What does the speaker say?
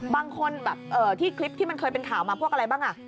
บางคนแบบที่คลิปที่มันเคยเป็นข่าวมาพวกอะไรบ้าง